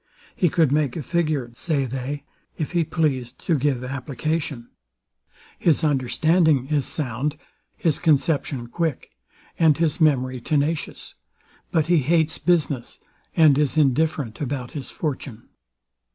He could make a figure, say they, if he pleased to give application: His understanding is sound, his conception quick, and his memory tenacious; but he hates business, and is indifferent about his fortune.